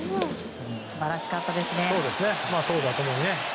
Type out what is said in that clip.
素晴らしかったですね。